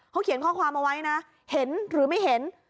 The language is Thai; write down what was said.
เขาเขียนข้อความเอาไว้นะเห็นหรือไม่เห็น